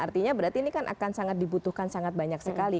artinya berarti ini kan akan sangat dibutuhkan sangat banyak sekali